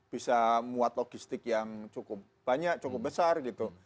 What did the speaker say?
bisa muat logistik yang cukup banyak cukup besar gitu